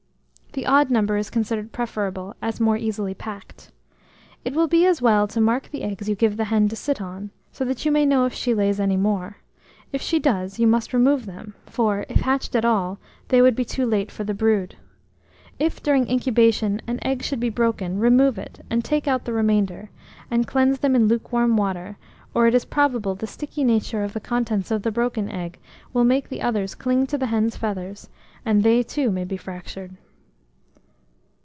The odd number is considered preferable, as more easily packed. It will be as well to mark the eggs you give the hen to sit on, so that you may know if she lays any more: if she does, you must remove them; for, if hatched at all, they would be too late for the brood. If during incubation an egg should be broken, remove it, and take out the remainder, and cleanse them in luke warm water, or it is probable the sticky nature of the contents of the broken egg will make the others cling to the hen's feathers; and they, too, may be fractured.